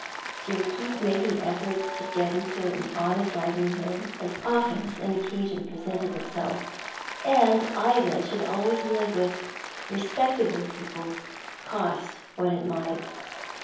She would keep making efforts to get into an honest livelihood as often as an occasion presented itself; and Ida should always live with "respectable" people, cost what it might.